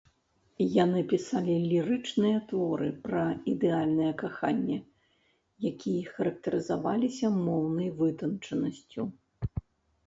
Яны пісалі лірычныя творы пра ідэальнае каханне, якія характарызаваліся моўнай вытанчанасцю.